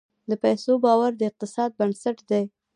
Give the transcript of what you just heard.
د پیسو باور د اقتصاد بنسټ دی.